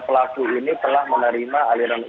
pelaku ini telah menerima aliran